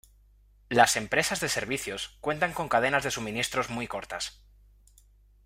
Las empresas de servicios cuentan con cadenas de suministros muy cortas.